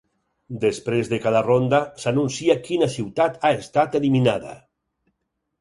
Després de cada ronda, s'anuncia quina ciutat ha estat eliminada.